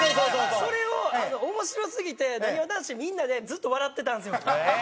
それを面白すぎてなにわ男子みんなでずっと笑ってたんですよ。